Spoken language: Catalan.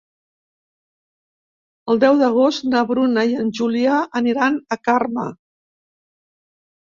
El deu d'agost na Bruna i en Julià aniran a Carme.